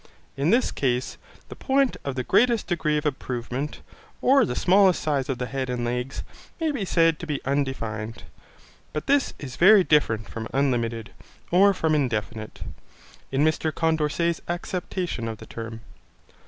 In this case, the point of the greatest degree of improvement, or the smallest size of the head and legs, may be said to be undefined, but this is very different from unlimited, or from indefinite, in Mr Condorcet's acceptation of the term.